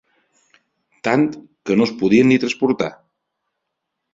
Tant, que no es podien ni transportar.